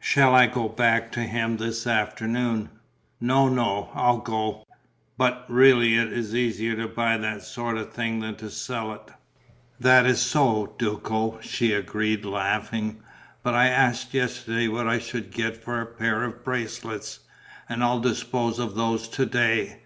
Shall I go back to him this afternoon?" "No, no, I'll go. But, really it is easier to buy that sort of thing than to sell it." "That is so, Duco," she agreed, laughing. "But I asked yesterday what I should get for a pair of bracelets; and I'll dispose of those to day.